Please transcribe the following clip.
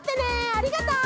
ありがとう！